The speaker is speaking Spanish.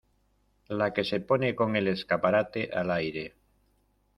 la que se pone con el escaparate al aire...